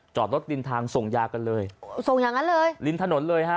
จอดรถริมทางส่งยากันเลยส่งอย่างนั้นเลยริมถนนเลยฮะ